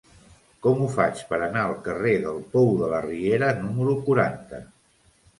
Com ho faig per anar al carrer del Pou de la Riera número quaranta?